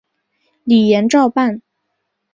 李俨照办。